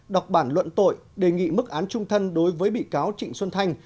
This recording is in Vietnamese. đọc bản luận tội đề nghị mức án trung thân đối với bị cáo trịnh xuân thanh